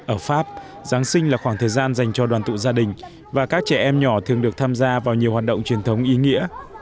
ở pháp giáng sinh là khoảng thời gian dành cho đoàn tụ gia đình và các trẻ em nhỏ thường được tham gia vào nhiều hoạt động truyền thống ý nghĩa